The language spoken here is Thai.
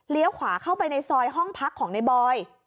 ขวาเข้าไปในซอยห้องพักของในบอย